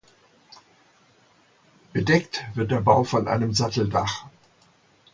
Bedeckt wird der Bau von einem Satteldach.